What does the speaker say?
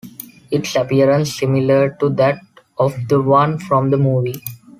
Its appearance similar to that of the one from the movie.